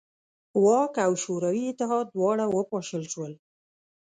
واک او شوروي اتحاد دواړه وپاشل شول.